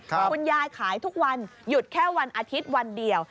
คุณยายขายทุกวันหยุดแค่วันอาทิตย์วันเดียว